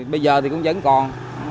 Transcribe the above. bây giờ thì cũng vẫn còn